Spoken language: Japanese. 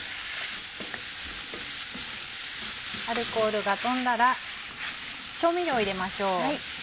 アルコールが飛んだら調味料を入れましょう。